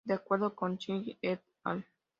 De acuerdo con Xing "et al.